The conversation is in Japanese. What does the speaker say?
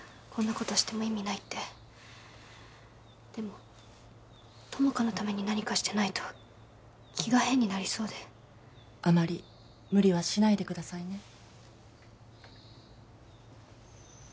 こんなことしても意味ないってでも友果のために何かしてないと気が変になりそうであまり無理はしないでくださいね